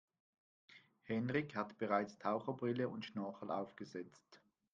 Henrik hat bereits Taucherbrille und Schnorchel aufgesetzt.